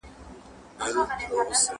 ¬ په هره تياره پسې رڼا ده.؟